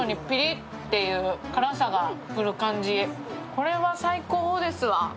これは最高ですわ。